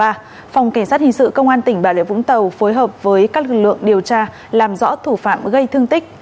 phòng cảnh sát hình sự công an tỉnh bà rịa vũng tàu phối hợp với các lực lượng điều tra làm rõ thủ phạm gây thương tích